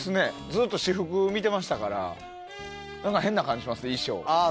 ずっと私服見てましたから何か変な感じがしますね衣装。